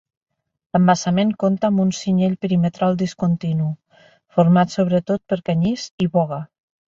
L'embassament compta amb un cinyell perimetral discontinu, format sobretot per canyís i boga.